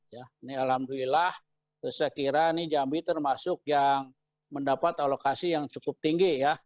ini alhamdulillah saya kira ini jambi termasuk yang mendapat alokasi yang cukup tinggi ya